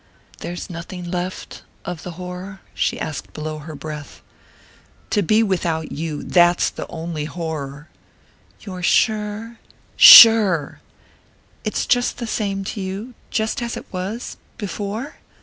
"There's nothing left...of the horror?" she asked below her breath. "To be without you that's the only horror!" "You're sure ?" "Sure!" "It's just the same to you...just as it was...before?"